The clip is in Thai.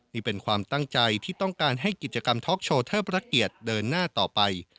นี่เป็นความตั้งใจที่ต้องการให้กิจกรรมท็อกโชว์เทิดพระเกียรติเดินหน้าต่อไป